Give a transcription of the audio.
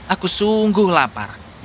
aku sungguh lapar